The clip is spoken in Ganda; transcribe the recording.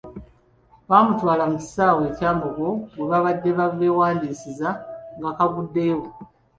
Bamutwala ku kisaawe e Kyambogo we babadde beewandiisiza ngakaguddeyo.